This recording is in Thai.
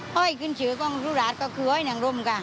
ห้อยขึ้นเฉยกับลูกร้านก็คือห้อยหนังรมค่ะ